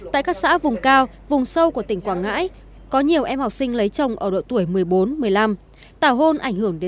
tại các xã vùng cao vùng sâu của tỉnh quảng ngãi có nhiều em học sinh lấy chồng ở độ tuổi một mươi bốn một mươi năm